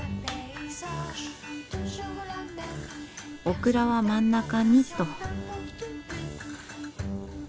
オクラは真ん中にと。